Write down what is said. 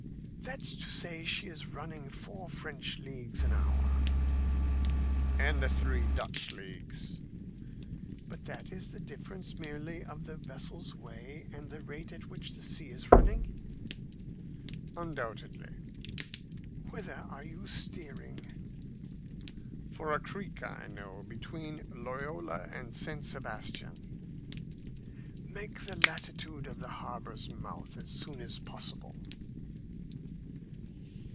"That's to say she is running four French leagues an hour." "And three Dutch leagues." "But that is the difference merely of the vessel's way and the rate at which the sea is running?" "Undoubtedly." "Whither are you steering?" "For a creek I know, between Loyola and St. Sebastian." "Make the latitude of the harbour's mouth as soon as possible."